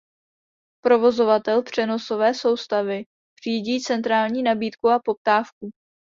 Provozovatel přenosové soustavy řídí centrální nabídku a poptávku.